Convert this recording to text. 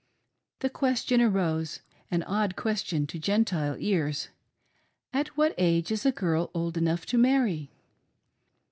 The question arose — an odd question to Gentile ears —" At what age is a girl old enough to marry